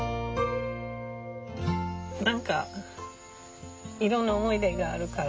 何かいろんな思い出があるから。